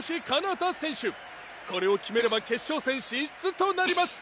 これを決めれば決勝戦進出となります。